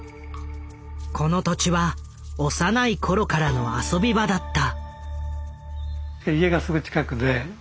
この土地は幼い頃からの遊び場だった。